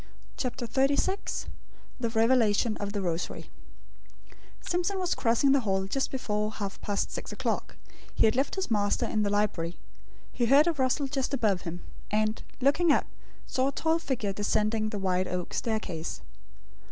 CHAPTER XXXVI THE REVELATION OF THE ROSARY Simpson was crossing the hall just before half past six o'clock. He had left his master in the library. He heard a rustle just above him; and, looking up, saw a tall figure descending the wide oak staircase.